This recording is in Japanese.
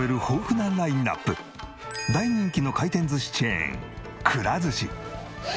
大人気の回転寿司チェーンくら寿司。